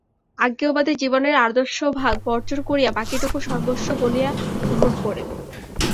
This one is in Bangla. অজ্ঞেয়বাদী জীবনের আদর্শভাগ বর্জন করিয়া বাকীটুকু সর্বস্ব বলিয়া গ্রহণ করেন।